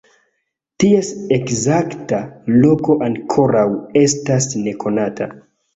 Ties ekzakta loko ankoraŭ estas nekonata.